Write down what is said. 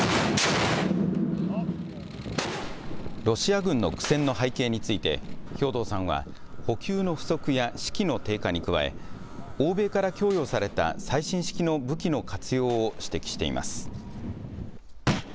ロシア軍の苦戦の背景について兵頭さんは補給の不足や士気の低下に加え、欧米から供与された最新式の武器の活用を指摘しています。